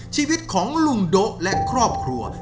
ชีวิตของลุงโดะและครอบครัว